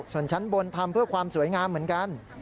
ส่วนชั้นบนทำเพื่อความสวยงามเหมือนกัน